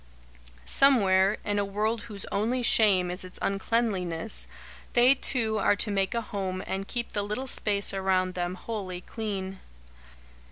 Somewhere, in a world whose only shame is its uncleanliness, they two are to make a home and keep the little space around them wholly clean.